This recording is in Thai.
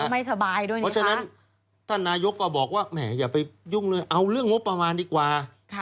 เพราะฉะนั้นท่านนายก็บอกว่าอย่าไปยุ่งเลยเอาเรื่องงบประมาณดีกว่า